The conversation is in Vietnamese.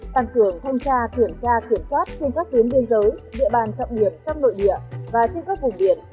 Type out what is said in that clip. tăng cường thanh tra kiểm tra kiểm soát trên các tuyến biên giới địa bàn trọng điểm các nội địa và trên các vùng biển